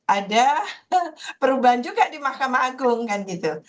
ada perubahan juga di mahkamah agung kan gitu